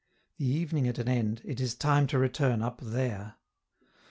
The evening at an end, it is time to return up there.